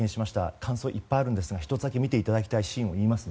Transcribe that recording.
感想いっぱいあるんですが１つだけ見ていただきたいシーンを言いますね。